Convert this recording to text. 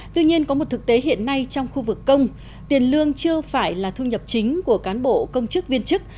tuy nhiên có một thực tế hiện nay trong khu vực công tiền lương chưa phải là thu nhập chính của cán bộ công chức viên chức